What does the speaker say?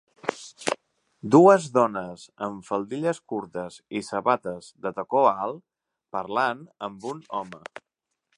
Dues dones amb faldilles curtes i sabates de tacó alt parlant amb un home.